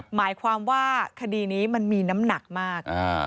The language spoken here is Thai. หมายความว่าคดีนี้มันมีน้ำหนักมาก